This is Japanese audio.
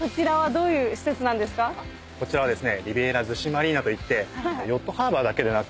こちらはですね。